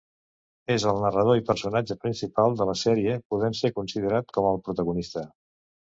És el narrador i personatge principal de la sèrie, podent ser considerat com el protagonista.